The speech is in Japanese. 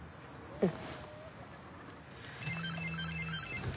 うん。